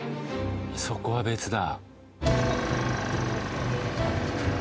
そこは別だ。